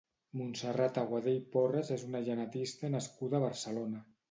Montserrat Aguadé i Porres és una genetista nascuda a Barcelona.